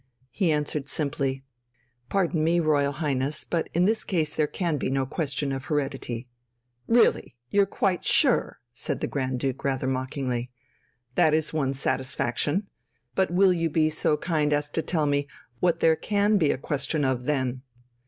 He answered simply: "Pardon me, Royal Highness, but in this case there can be no question of heredity." "Really! You're quite sure!" said the Grand Duke rather mockingly. "That is one satisfaction. But will you be so kind as to tell me what there can be a question of, then."